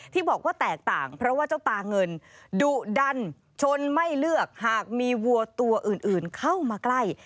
ที่บอกว่าแตกต่างเพราะว่าเจ้าตาเงินดุดันชนไม่เลือกหากมีวัวตัวอื่นเข้ามาใกล้